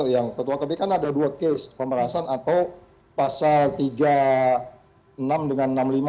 yang ketua kpk kan ada dua case pemerasan atau pasal tiga puluh enam dengan enam puluh lima